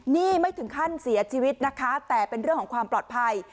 นี่ไม่ถึงขั้นเสียชีวิตนะคะแต่เป็นเรื่องของความปลอดภัย